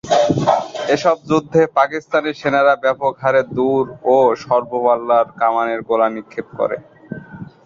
এসব যুদ্ধে পাকিস্তানি সেনারা ব্যাপক হারে দূর ও স্বল্প পাল্লার কামানের গোলা নিক্ষেপ করে।